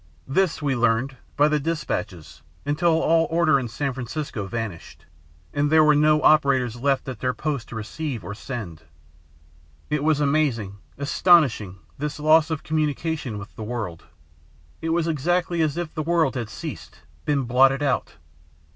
This we learned, by the despatches, until all order in San Francisco vanished, and there were no operators left at their posts to receive or send. It was amazing, astounding, this loss of communication with the world. It was exactly as if the world had ceased, been blotted out.